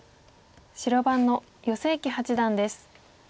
白番の余正麒八段です。